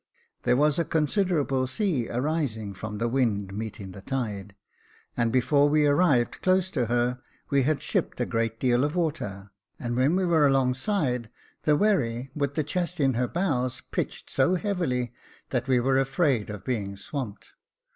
There was a considerable sea arising from the 34^ Jacob Faithful wind meeting the tide, and before we arrived close to her, we had shipped a great deal of water j and when we were alongside, the wherry, with the chest in her bows, pitched so heavily, that we were afraid of being swamped.